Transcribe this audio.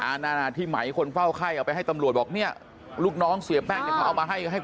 นั่นอ่ะที่ไหมคนเฝ้าไข้เอาไปให้ตำรวจบอกเนี่ยลูกน้องเสียแป้งเนี่ยเขาเอามาให้ให้